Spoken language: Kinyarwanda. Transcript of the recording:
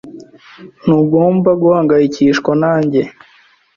Ntugomba guhangayikishwa nanjye.